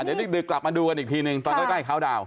เดี๋ยวดึกกลับมาดูกันอีกทีหนึ่งตอนใกล้เขาดาวน